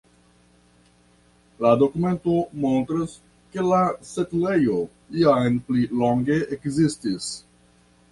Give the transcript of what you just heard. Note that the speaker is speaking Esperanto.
La dokumento montras, ke la setlejo jam pli longe ekzistis.